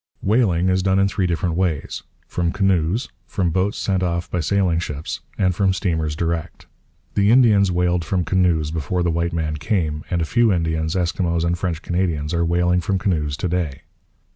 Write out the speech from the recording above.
Whaling is done in three different ways: from canoes, from boats sent off by sailing ships, and from steamers direct. The Indians whaled from canoes before the white man came, and a few Indians, Eskimos, and French Canadians are whaling from canoes to day.